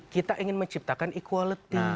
kita ingin menciptakan equality